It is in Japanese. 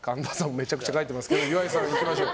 めちゃくちゃ書いてますけど岩井さんいきましょう。